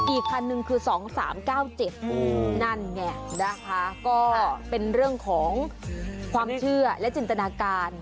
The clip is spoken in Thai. อีกคันหนึ่งคือ๒๓๙๗นั่นไงนะคะก็เป็นเรื่องของความเชื่อและจินตนาการ